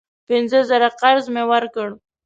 پینځه زره قرض مې ورکړ.